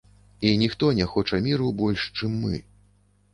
І ніхто не хоча міру больш, чым мы.